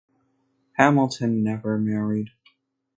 Hamilton never married.